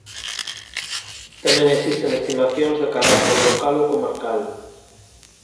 Tamén existen estimacións de carácter local ou comarcal.